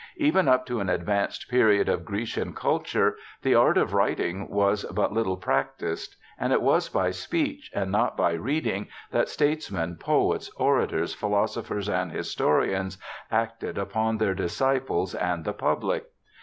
Even up to an advanced period of Grecian culture, the art of writing was but little practised ; and it was by speech, and not by reading, that statesmen, poets, orators, philosophers, and historians acted upon their disciples and the public.